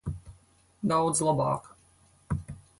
Daudz labāk.